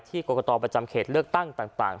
กรกตประจำเขตเลือกตั้งต่าง